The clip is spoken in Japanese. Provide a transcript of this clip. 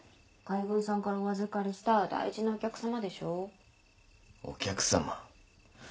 海軍さんからお預かりした大事なお客さまでしょ？お客さま？